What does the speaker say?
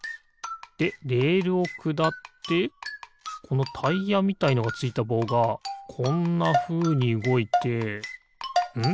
でレールをくだってこのタイヤみたいのがついたぼうがこんなふうにうごいてん？